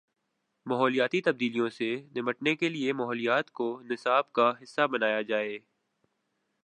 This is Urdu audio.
ماحولیاتی تبدیلیوں سے نمٹنے کے لیے ماحولیات کو نصاب کا حصہ بنایا جائے۔